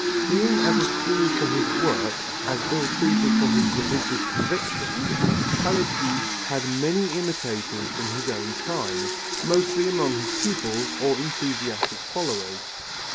Being as esteemed for his work, as ill treated for his religious convictions, Palissy had many imitators in his own time, mostly among his pupils or enthusiastic followers.